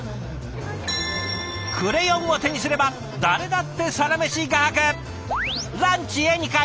クレヨンを手にすれば誰だってサラメシ画伯！